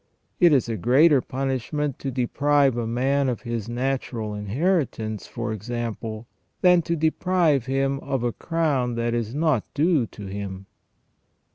It is a greater punishment to deprive a man of his natural inheritance, for example, than to deprive him of a crown that is not due to him.